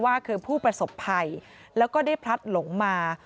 ว่าคือผู้ประสบภัยแล้วก็ได้พลัดหลงมา